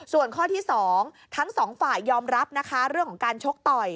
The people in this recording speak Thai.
ส่วนข้อที่๒ทั้งสองฝ่ายยอมรับนะคะเรื่องของการชกต่อย